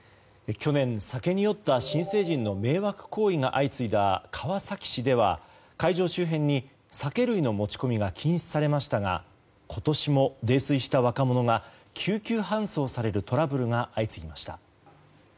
去年、酒に酔った新成人の迷惑行為が相次いだ川崎市では会場周辺に酒類の持ち込みが禁止されましたが今年も泥酔した若者が救急搬送されるトラブルが相次ぎました。